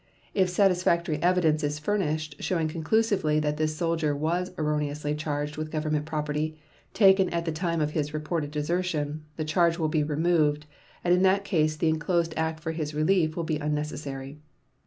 If satisfactory evidence is furnished showing conclusively that this soldier was erroneously charged with Government property, taken at time of his reported desertion, the charge will be removed, and in that case the inclosed act for his relief will be unnecessary.